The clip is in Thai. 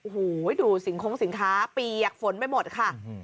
โหดูสิงค้าจริงปีกฝนไปหมดค่ะ